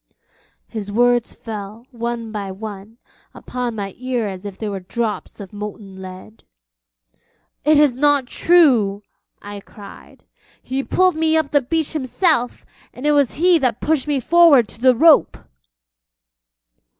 His words fell, one by one, upon my ear as if they were drops of molten lead. 'It is not true,' I cried; 'he pulled me up the beach himself, and it was he that pushed me forward to the rope.'